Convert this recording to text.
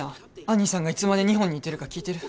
アニーさんがいつまで日本にいてるか聞いてる？